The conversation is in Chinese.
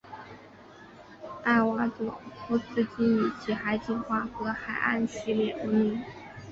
艾瓦佐夫斯基以其海景画和海岸系列闻名。